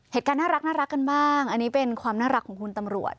เหตุการณ์น่ารักกันบ้างอันนี้เป็นความน่ารักของคุณตำรวจ